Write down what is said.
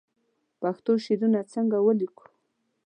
پښتو شعرونه څنګه ولیکو